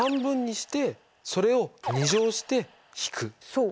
そう。